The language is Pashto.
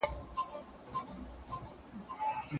عزت په رښتیا او سپېڅلي ایمان کي دی.